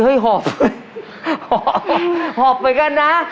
หอบไปกันนะ